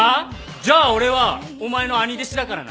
じゃあ俺はお前の兄弟子だからな。